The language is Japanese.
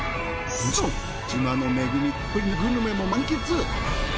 もちろん島の恵みたっぷりのグルメも満喫。